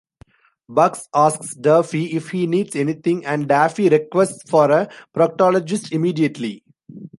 Bugs asks Daffy if he needs anything and Daffy requests for a proctologist immediately.